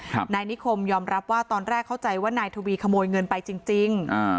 นายนิคมยอมรับว่าตอนแรกเข้าใจว่านายทวีขโมยเงินไปจริงจริงอ่า